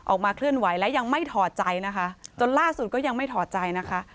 ออกมาเคลื่อนไหวและยังไม่ถอดใจนะคะจนล่าสุดก็ยังไม่ถอดใจนะคะ